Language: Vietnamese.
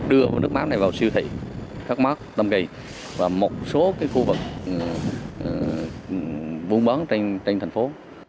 đưa nước mắm này vào siêu thị các mắc tâm kỳ và một số cái khu vực vung bóng trên thành phố